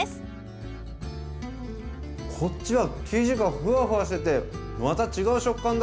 こっちは生地がフワフワしててまた違う食感だ！